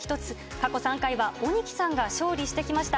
過去３回は鬼木さんが勝利してきました。